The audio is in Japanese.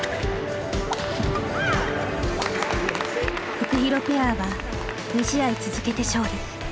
フクヒロペアは２試合続けて勝利。